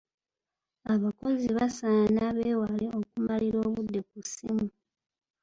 Abakozi basaana beewale okumalira obudde ku ssimu.